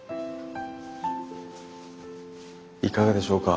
いかがでしょうか？